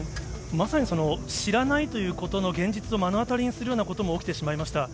まさにその知らないということの現実を目の当たりにするようなことも起きてしまいました。